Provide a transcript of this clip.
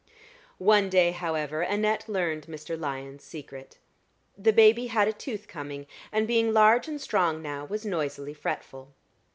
One day, however, Annette learned Mr. Lyon's secret. The baby had a tooth coming, and being large and strong now, was noisily fretful.